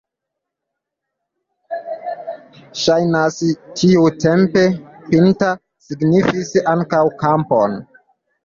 Ŝajnas, tiutempe pinta signifis ankaŭ kampon.